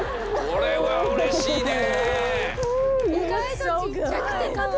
これはうれしいね！